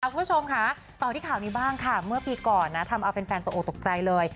คุณผู้ชมค่ะต่อที่ข่าวนี้บ้างค่ะเมื่อปีก่อนนะทำเอาแฟนตกออกตกใจเลย